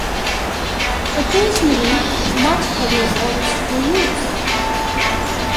Occasionally, much heavier balls were used.